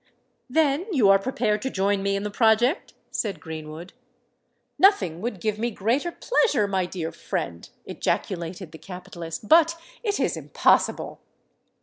"Then you are prepared to join me in the project?" said Greenwood. "Nothing would give me greater pleasure, my dear friend," ejaculated the capitalist: "but it is impossible."